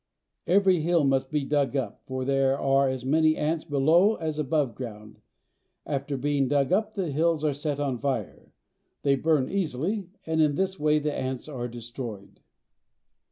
Every hill must be dug up, for there are as many ants below as above ground. After being dug up the hills are set on fire. They burn easily, and in this way the ants are destroyed.